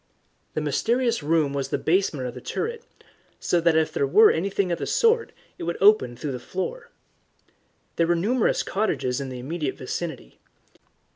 The mysterious room was the basement of the turret, so that if there were anything of the sort it would open through the floor. There were numerous cottages in the immediate vicinity.